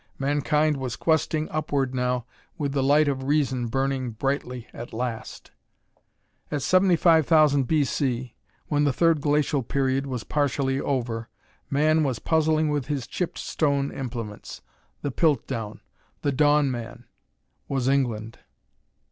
Mankind was questing upward now, with the light of Reason burning brightly at last.... At 75,000 B. C., when the Third Glacial Period was partially over, man was puzzling with his chipped stone implements. The Piltdown the Dawn Man was England....